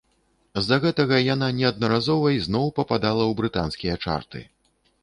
З-за гэтага яна неаднаразова ізноў пападала ў брытанскія чарты.